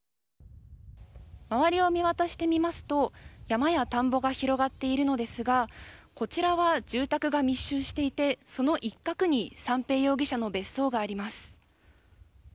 周りを見渡してみますと山や田んぼが広がっているのですがこちらは住宅が密集していてその一角に三瓶容疑者の別荘があります。